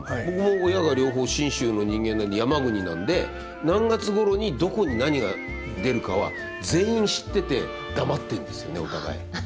僕も親が両方信州の人間なんで山国なんで何月頃にどこに何が出るかは全員知ってて黙ってんですよねお互い。